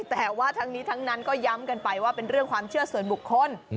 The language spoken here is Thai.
แต่ว่าทั้งนี้ทั้งนั้นก็ย้ำกันไปว่าเป็นเรื่องความเชื่อส่วนบุคคล